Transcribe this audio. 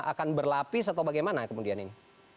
akan berlapis atau bagaimana kemudian ini